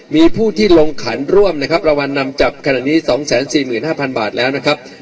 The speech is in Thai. มีผู้ที่ลงขันร่วมนะครับรางวัลอะจับขนานี้คุณพูดถึงครับ